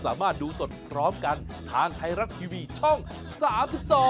สวัสดีค่ะ